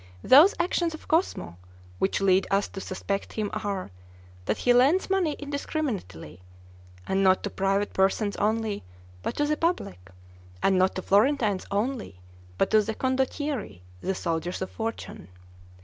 Those actions of Cosmo which lead us to suspect him are, that he lends money indiscriminately, and not to private persons only, but to the public; and not to Florentines only, but to the condottieri, the soldiers of fortune.